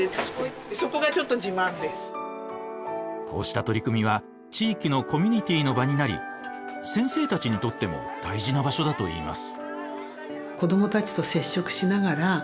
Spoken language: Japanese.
こうした取り組みは地域のコミュニティーの場になり先生たちにとっても大事な場所だといいます。